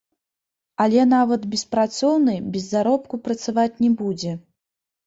Але нават беспрацоўны без заробку працаваць не будзе.